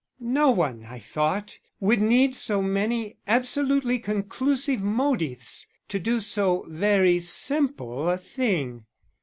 No one, I thought, would need so many absolutely conclusive motives to do so very simple a thing.